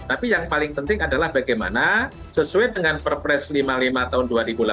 tapi yang paling penting adalah bagaimana sesuai dengan perpres lima puluh lima tahun dua ribu delapan belas